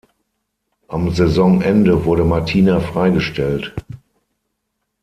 Am Saisonende wurde Martina freigestellt.